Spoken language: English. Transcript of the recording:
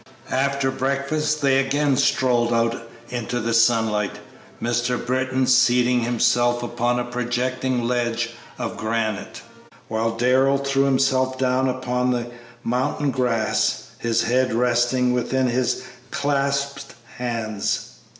After breakfast they again strolled out into the sunlight, Mr. Britton seating himself upon a projecting ledge of granite, while Darrell threw himself down upon the mountain grass, his head resting within his clasped hands.